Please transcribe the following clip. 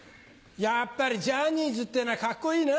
やっぱりジャニーズっていうのはカッコいいな。